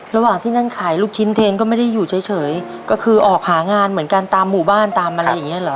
ระหว่างที่นั่งขายลูกชิ้นเทนก็ไม่ได้อยู่เฉยก็คือออกหางานเหมือนกันตามหมู่บ้านตามอะไรอย่างเงี้เหรอ